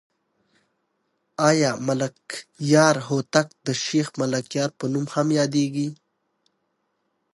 آیا ملکیار هوتک د شیخ ملکیار په نوم هم یادېږي؟